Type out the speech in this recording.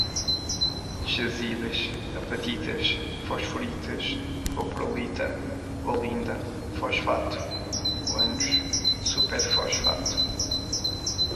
jazidas, apatitas, fosforitas, cuprolita, olinda, fosfato, guanos, superfosfato